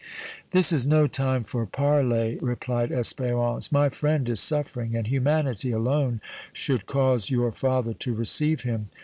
"This is no time for parley," replied Espérance. "My friend is suffering, and humanity alone should cause your father to receive him.